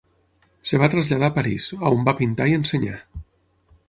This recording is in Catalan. Es va traslladar a París, on va pintar i ensenyar.